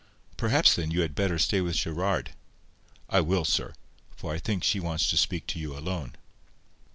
"Perhaps, then, you had better stay with Gerard." "I will, sir; for I think she wants to speak to you alone."